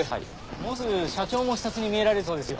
もうすぐ社長も視察に見えられるそうですよ。